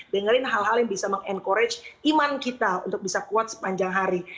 dengerin hal hal yang bisa meng encourage iman kita untuk bisa kuat sepanjang hari